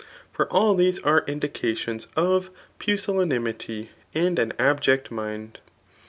For all these are indications of pusillaanmty and an abject mind.